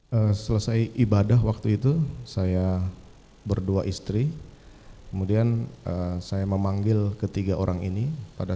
hai selesai ibadah waktu itu saya berdua istri kemudian saya memanggil ketiga orang ini pada